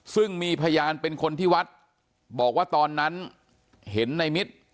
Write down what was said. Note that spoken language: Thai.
ซึ่งมีพยานเป็นคนที่วัดบอกว่าตอนนั้นเห็นในมิตร